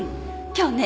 今日ね